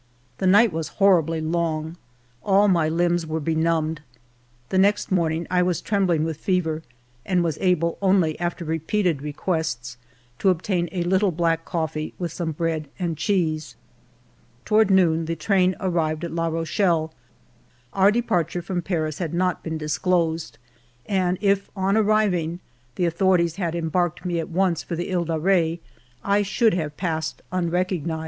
The night was horribly long ; all my limbs were benumbed. The next morn ing I was trembling with fever, and was able, only after repeated requests, to obtain a little black cof fee, with some bread and cheese. Toward noon the train arrived at La Rochelle. Our departure from Paris had not been disclosed, and if, on arriving, the authorities had embarked me at once for the He de Re, I should have passed unrecognized.